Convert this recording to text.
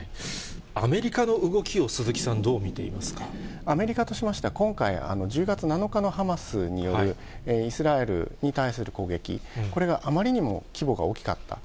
アメリカの動きを鈴木さん、アメリカとしましては、今回、１０月７日のハマスによるイスラエルに対する攻撃、これがあまりにも規模が大きかった。